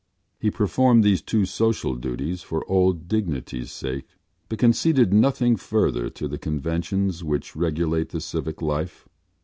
He performed these two social duties for old dignity’s sake but conceded nothing further to the conventions which regulate the civic life.